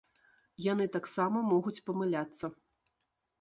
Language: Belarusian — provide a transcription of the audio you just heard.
Яны таксама могуць памыляцца.